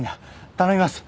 頼みます。